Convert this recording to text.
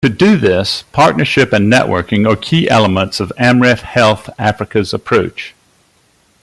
To do this, partnership and networking are key elements of Amref Health Africa's approach.